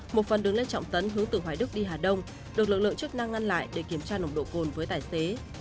một phần đường lê trọng tấn hướng từ hoài đức đi hà đông được lực lượng chức năng ngăn lại để kiểm tra nồng độ cồn với tài xế